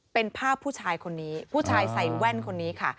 เป็นภาพผู้ชายคนนี้ผู้ชายใส่แว่นคนนี้ค่ะ